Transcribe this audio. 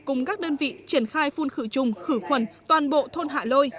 cùng các đơn vị triển khai phun khử trùng khử khuẩn toàn bộ thôn hạ lôi